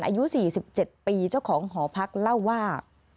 อายุ๔๗ปีเจ้าของหอพักเล่าว่า